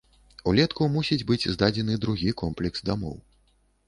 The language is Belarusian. Улетку мусіць быць здадзены другі комплекс дамоў.